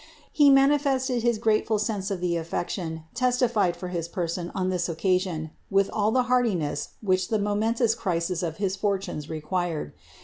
He manifested his grate of tlie affection testified for his person on this occasion, with irtiness which the momentous crisis of his fortunes required.